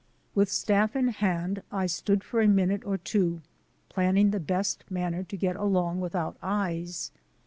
With staff in hand, I stood for a minute or two planning the best manner to get along without eyes.